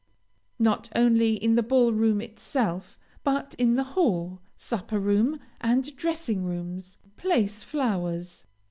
Not only in the ball room itself, but in the hall, supper room, and dressing rooms, place flowers.